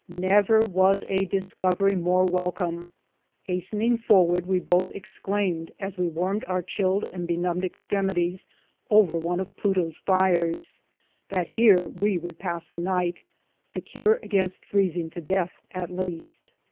Never was a discovery more wel come ! Hastening forward, we both exclaimed, as we warmed our chilled and benumbed extremities over one of Pluto's fires, that here we would pass the night, secure against freezing to death, at least.